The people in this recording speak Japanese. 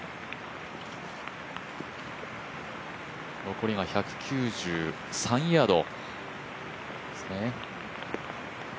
残りが１９３ヤード。